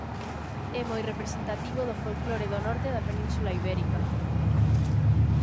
É moi representativo do folclore do norte da Península Ibérica.